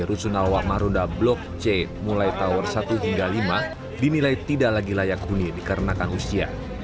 rusunawa marunda blok c mulai tower satu hingga lima dinilai tidak lagi layak dunia dikarenakan usia